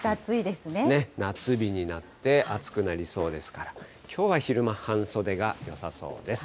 夏日になって暑くなりそうですから、きょうは昼間、半袖がよさそうです。